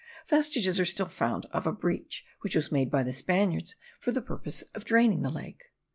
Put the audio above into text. Vestiges are still found of a breach which was made by the Spaniards for the purpose of draining the lake.